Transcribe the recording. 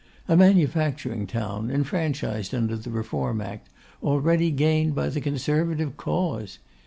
A manufacturing town, enfranchised under the Reform Act, already gained by the Conservative cause!